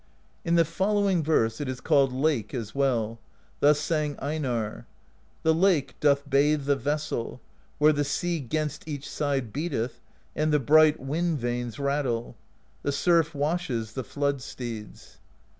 In the following verse it is called Lake as well : thus sang Einarr: The Lake doth bathe the vessel, Where the sea 'gainst each side beateth, And the bright wind vanes rattle; The surf washes the Flood Steeds.